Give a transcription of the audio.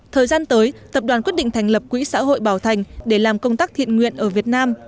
thời gian tới tập đoàn quyết định thành lập quỹ xã hội bảo thành để làm công tác thiện nguyện ở việt nam